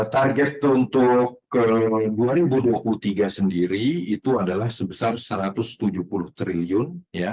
target untuk dua ribu dua puluh tiga sendiri itu adalah sebesar rp satu ratus tujuh puluh triliun